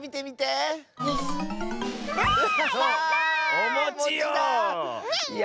おもちよ。